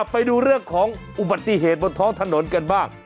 ไปดูเรื่องของอุบัติเหตุบนท้องถนนกันบ้าง